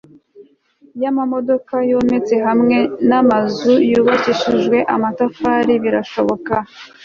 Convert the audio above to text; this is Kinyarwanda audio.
y'imodoka zometse hamwe n'amazu yubakishijwe amatafari birashoboka